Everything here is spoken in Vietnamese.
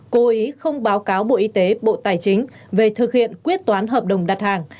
cố ý không báo cáo bộ y tế bộ tài chính về thực hiện quyết toán hợp đồng đặt hàng